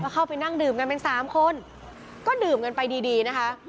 เข้าไปนั่งดื่มกันเป็นสามคนก็ดื่มกันไปดีดีนะคะ